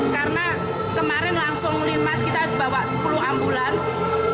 karena kemarin langsung limas kita bawa sepuluh ambulans